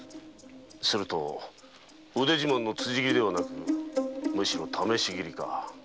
では腕自慢の辻斬りではなくむしろ試し斬りか。